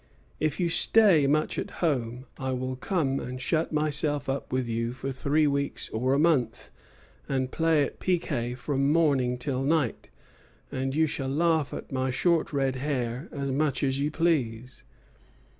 "If you stay much at home I will come and shut myself up with you for three weeks or a month, and play at piquet from morning till night; and you shall laugh at my short red hair as much as you please."